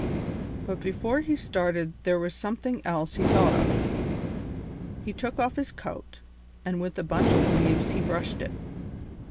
But before he started there was something else he thought of. He took off his coat, and with a bunch of leaves he brushed it.